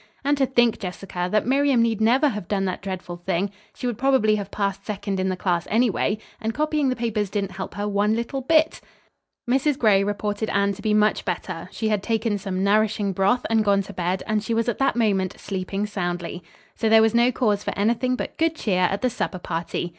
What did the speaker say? And to think, Jessica, that Miriam need never have done that dreadful thing. She would probably have passed second in the class anyway, and copying the papers didn't help her one little bit." Mrs. Gray reported Anne to be much better. She had taken some nourishing broth and gone to bed, and she was at that moment sleeping soundly. So there was no cause for anything but good cheer at the supper party.